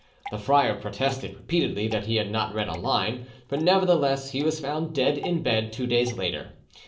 The friar protested repeatedly that he had not read a line, but nevertheless he was found dead in bed two days later.